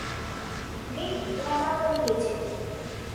Ming, তোমার মা phone দিয়েছে।